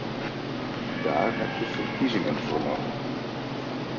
Daar heb je verkiezingen voor nodig.